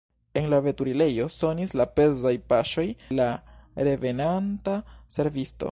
En la veturilejo sonis la pezaj paŝoj de la revenanta servisto.